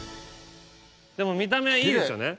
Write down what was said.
見た目はいいですよね。